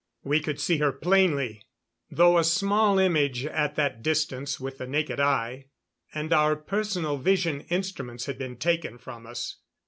We could see her plainly, though a small image at that distance with the naked eye, and our personal vision instruments had been taken from us.